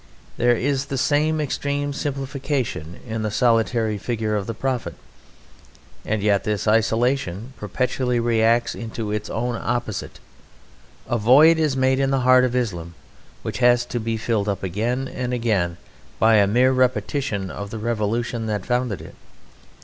There is the same extreme simplification in the solitary figure of the Prophet; and yet this isolation perpetually reacts into its own opposite. A void is made in the heart of Islam which has to be filled up again and again by a mere repetition of the revolution that founded it.